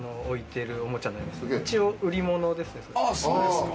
それはあっそうですか。